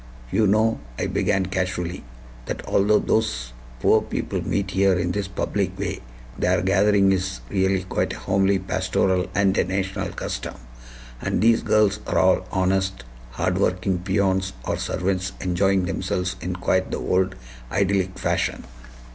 "You know," I began casually, "that although those poor people meet here in this public way, their gathering is really quite a homely pastoral and a national custom; and these girls are all honest, hardworking peons or servants enjoying themselves in quite the old idyllic fashion."